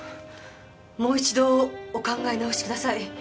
もう一度お考え直しください！